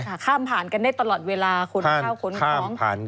ค่ะข้ามผ่านกันได้ตลอดเวลาคนเข้าคนของค่ะข้ามผ่าน